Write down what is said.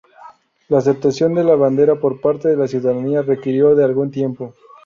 La aceptación de la bandera por parte de la ciudadanía requirió de algún tiempo.